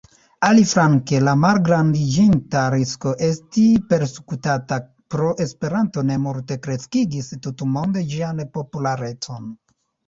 Aliflanke, la malgrandiĝinta risko esti persekutata pro Esperanto, ne multe kreskigis tutmonde ĝian popularecon.